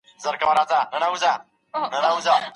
یوازې خام مواد خرڅول پوره ګټه نه لري.